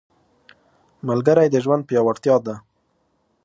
ملګری د ژوند پیاوړتیا ده